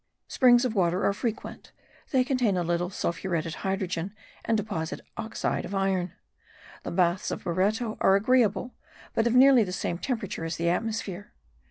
Springs of water are frequent; they contain a little sulphuretted hydrogen, and deposit oxide of iron. The Baths of Bareto are agreeable, but of nearly the same temperature as the atmosphere.